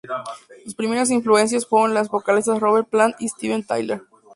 Sus primeras influencias fueron los vocalistas Robert Plant y Steven Tyler.